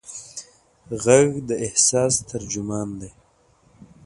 غږ د احساس ترجمان دی.